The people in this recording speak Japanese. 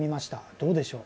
どうでしょう？